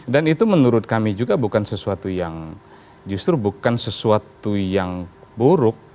dan itu menurut kami juga bukan sesuatu yang justru bukan sesuatu yang buruk